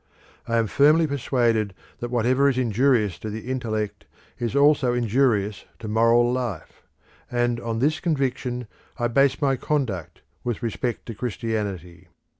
I am firmly persuaded that whatever is injurious to the intellect is also injurious to moral life; and on this conviction I base my conduct with respect to Christianity.